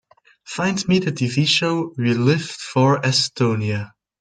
Find me the TV show We Lived for Estonia